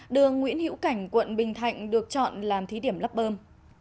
đường nguyễn hữu cảnh quận bình thạnh được chọn làm thí điểm lắp bơm